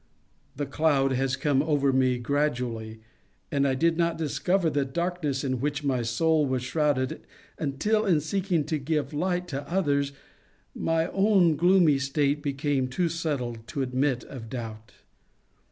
The cloud has come over me gradually, and I did not discover the darkness in which my soul was shrouded until, in seeking to give light to others, my own gloomy state became too settled to admit of doubt.